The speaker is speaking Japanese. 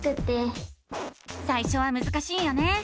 さいしょはむずかしいよね！